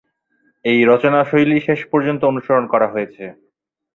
এই রচনাশৈলী শেষ পর্যন্ত অনুসরণ করা হয়েছে।